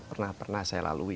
pernah pernah saya lalui